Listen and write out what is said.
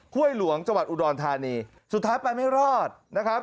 ้วยหลวงจังหวัดอุดรธานีสุดท้ายไปไม่รอดนะครับ